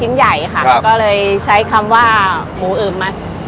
ประกาศรายชื่อพศ๒๕๖๑